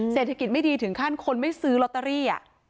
เศรษฐกิจไม่ดีถึงขั้นคนไม่ซื้อลอตเตอรี่